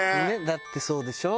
だってそうでしょ？